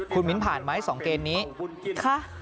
คุณมิ้นผ่านไหม๒เกมนี้ค่ะ